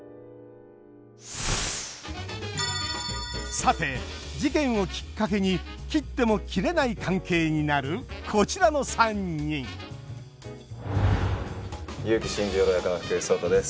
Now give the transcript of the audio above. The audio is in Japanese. さて事件をきっかけに切っても切れない関係になるこちらの３人結城新十郎役の福士蒼汰です。